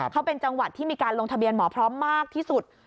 เขาเป็นจังหวัดที่มีการลงทะเบียนหมอพร้อมมากที่สุด